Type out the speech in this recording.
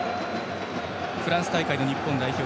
フランス大会日本代表